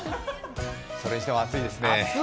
それにしても暑いですね。